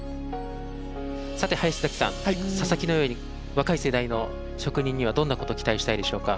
さて林崎さん佐々木のように若い世代の職人にはどんなことを期待したいでしょうか？